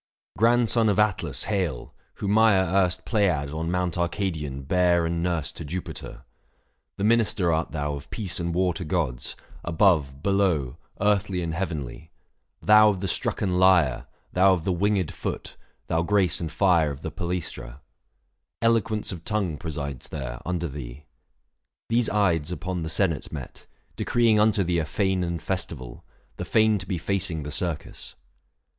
Grandson of Atlas, hail ! whom Maia erst Pleiad on Mount Arcadian bare and nursed To Jupiter. The minister art thou Of peace and war to gods, above, below, 168 THE FASTI. Book V. Earthly and heavenly, — thou of the strucken lyre, Thou of the winged foot, thou grace and fire Of the Palaestra ; eloquence of tongue Presides there, under thee. These Ides upon The senate met, decreeing unto thee A fane and festival, the fane to be Facing the circus.